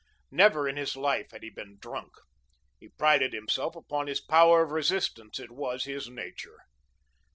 Never in his life had he been drunk. He prided himself upon his power of resistance. It was his nature.